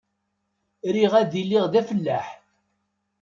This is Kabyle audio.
Riɣ ad iliɣ d afellaḥ.